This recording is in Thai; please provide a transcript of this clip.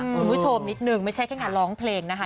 คุณผู้ชมนิดนึงไม่ใช่แค่งานร้องเพลงนะคะ